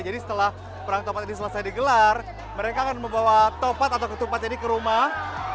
jadi setelah perang tupat ini selesai digelar mereka akan membawa tupat atau ketupat ini ke rumah